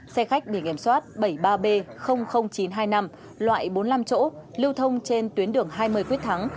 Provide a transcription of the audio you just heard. xe khách biển kiểm soát bảy mươi ba b chín trăm hai mươi năm loại bốn mươi năm chỗ lưu thông trên tuyến đường hai mươi quyết thắng